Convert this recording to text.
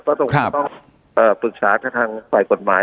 ก็คงจะต้องปรึกษากับทางฝ่ายกฎหมาย